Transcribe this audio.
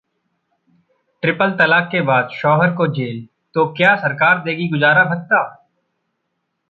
Triple तलाक के बाद शौहर को जेल तो क्या सरकार देगी गुजारा भत्ता?